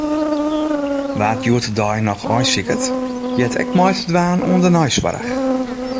Wa’t hjoed-de-dei noch aaisiket, heart ek mei te dwaan oan de neisoarch.